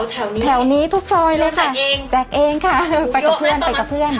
แถวนี้แถวนี้ทุกซอยเลยค่ะเองแจกเองค่ะไปกับเพื่อนไปกับเพื่อน